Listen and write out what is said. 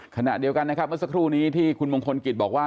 ขณะเดียวกันนะครับเมื่อสักครู่นี้ที่คุณมงคลกิจบอกว่า